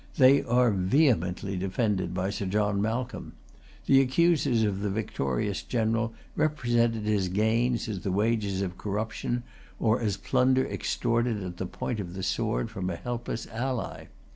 They are vehemently defended by Sir John Malcolm. The accusers of the victorious general represented his gains as the wages of corruption, or as plunder extorted at the point of the sword from a helpless ally.